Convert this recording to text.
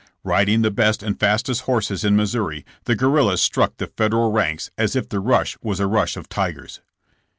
Riding the best and fastest horses in Missouri, the guerrillas struck the Federal ranks as if the rush was a rush of tigers.